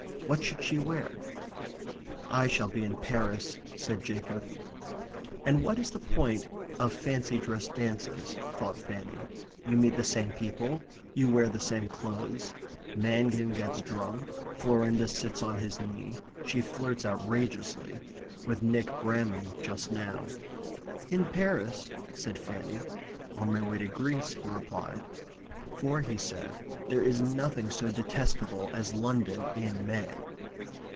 What should she wear? "I shall be in Paris," said Jacob. And what is the point of fancy dress dances? thought Fanny. You meet the same people; you wear the same clothes; Mangin gets drunk; Florinda sits on his knee. She flirts outrageously with Nick Bramham just now. "In Paris?" said Fanny. "On my way to Greece," he replied. For, he said, there is nothing so detestable as London in May.